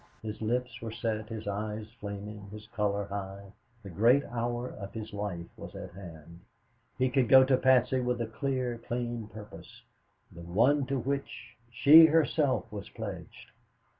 His lips were set, his eyes flaming, his color high, the great hour of his life was at hand. He could go to Patsy with a clear, clean purpose the one to which she herself was pledged.